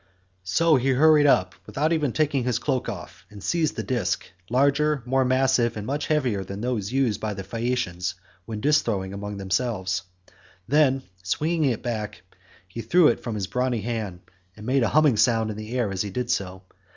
So he hurried up without even taking his cloak off, and seized a disc, larger, more massive and much heavier than those used by the Phaeacians when disc throwing among themselves.68 Then, swinging it back, he threw it from his brawny hand, and it made a humming sound in the air as he did so.